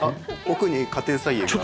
奥に家庭菜園が。